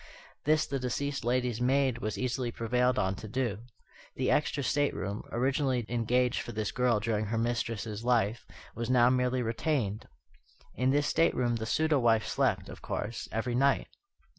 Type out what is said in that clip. This the deceased lady's maid was easily prevailed on to do. The extra stateroom, originally engaged for this girl during her mistress's life, was now merely retained. In this stateroom the pseudo wife slept, of course, every night.